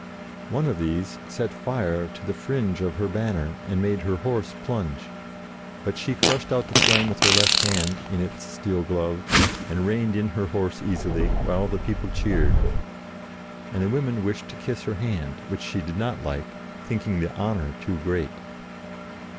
One of these set fire to the fringe of her banner and made her horse plunge ; but she crushed out the flame with her left hand in its steel glove, and reined in her horse easily, while the people cheered, and the women wished to kiss her hand, which she did not like, thinking the honour too great.